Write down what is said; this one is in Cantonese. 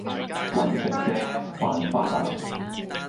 搵食啫，犯法呀